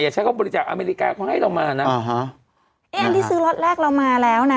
อย่างเช่นเขาบริจาคอเมริกาเขาให้เรามานะอ่าฮะนี่อันที่ซื้อรถแรกเรามาแล้วนะ